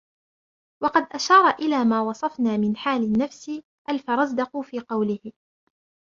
وَقَدْ أَشَارَ إلَى مَا وَصَفْنَا مِنْ حَالِ النَّفْسِ الْفَرَزْدَقُ فِي قَوْلِهِ